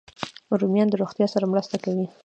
رومیان د روغتیا سره مرسته کوي